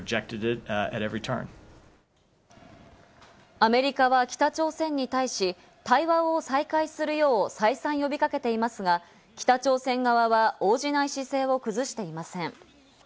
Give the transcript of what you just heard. アメリカは北朝鮮に対し、対話を再開するよう再三、呼び掛けていますが、北朝鮮側は応じない姿勢を崩していません。